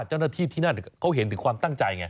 เจ้าหน้าที่ที่นั่นเขาเห็นถึงความตั้งใจไง